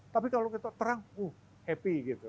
tapi kalau kita terang uh happy gitu